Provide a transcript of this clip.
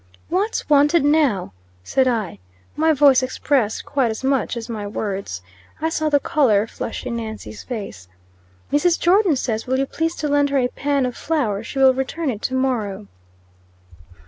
"What's wanted now?" said I. My voice expressed quite as much as my words. I saw the color flush in Nancy's face. "Mrs. Jordon says, will you please to lend her a pan of flour? She will return it to morrow."